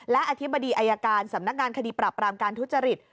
และอธิบดีอายการสำนักงานคดีปรับรามการทุจริต